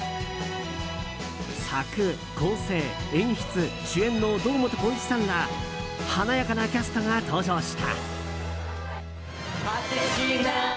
作・構成・演出・主演の堂本光一さんら華やかなキャストが登場した。